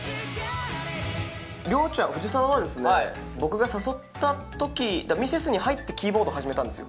りょうちゃん、藤澤は、僕が誘ったとき、ミセスに入ってキーボード触ったんですよ。